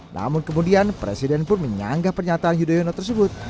namun kemudian presiden pun menyanggah pernyataan yudhoyono tersebut